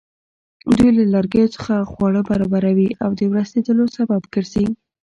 دوی له لرګیو څخه خواړه برابروي او د ورستېدلو سبب ګرځي.